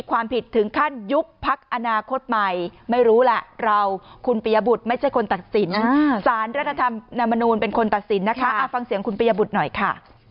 ว่ายุบพักอนาคตใหม่ไม่รู้แล้วเราคุณปียบุตรไม่ใช่คนตัดศีลสารรัฐธรรมนรรมนูนเเป็นคนตัดศีลนะคะฟังเสียงคุณปียบุตรหน่อยค่ะ